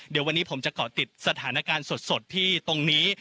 เดี๋ยววันนี้ผมจะเกาะติดสถานการณ์สดที่ตรงนี้